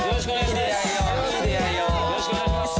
よろしくお願いします